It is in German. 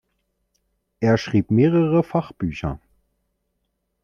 Er schrieb mehrere Fachbücher.